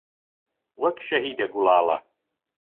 وەک شەهیدە گوڵاڵە